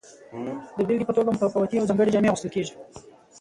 د بیلګې په توګه متفاوتې او ځانګړې جامې اغوستل کیږي.